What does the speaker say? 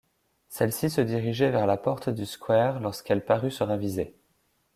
Celle-ci se dirigeait vers la porte du square, lorsqu’elle parut se raviser.